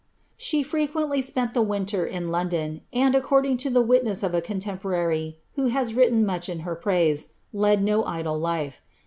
She frequently spent the winter in London, and, according to i witness of a contemporary, who has written much in her praise, led . idle life.